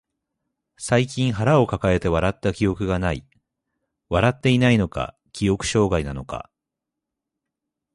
最近腹抱えて笑った記憶がない。笑っていないのか、記憶障害なのか。